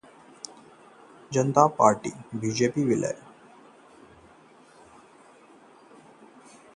सुब्रमण्यम स्वामी की जनता पार्टी का हुआ बीजेपी में विलय